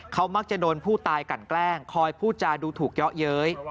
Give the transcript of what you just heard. เขามักจะโดนผู้ตายกันแกล้งคอยพูดจาดูถูกเยาะเย้ย